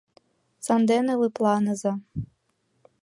Сандене лыпланыза...